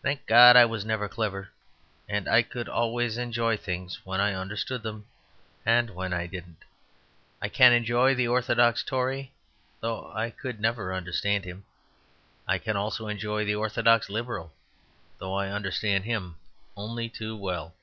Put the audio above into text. Thank God I was never clever, and I could always enjoy things when I understood them and when I didn't. I can enjoy the orthodox Tory, though I could never understand him. I can also enjoy the orthodox Liberal, though I understand him only too well.